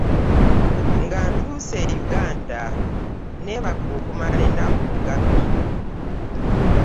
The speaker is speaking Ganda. Nga ntuuse e Yuganda, nneebaka okumala ennaku nga bbiri.